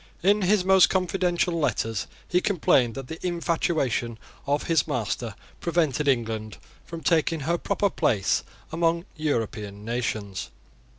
In his most confidential letters he complained that the infatuation of his master prevented England from taking her proper place among European nations.